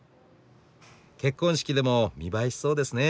結婚式でも見栄えしそうですね